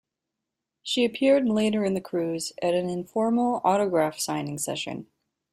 She appeared later in the cruise at an informal autograph-signing session.